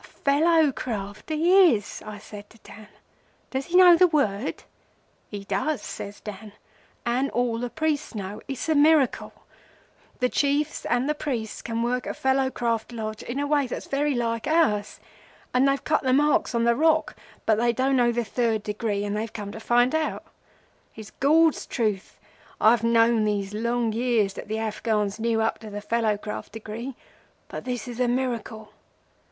'A Fellow Craft he is!' I says to Dan. 'Does he know the word?' 'He does,' says Dan, 'and all the priests know. It's a miracle! The Chiefs and the priest can work a Fellow Craft Lodge in a way that's very like ours, and they've cut the marks on the rocks, but they don't know the Third Degree, and they've come to find out. It's Gord's Truth. I've known these long years that the Afghans knew up to the Fellow Craft Degree, but this is a miracle.